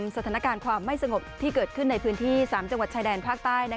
สถานการณ์ความไม่สงบที่เกิดขึ้นในพื้นที่๓จังหวัดชายแดนภาคใต้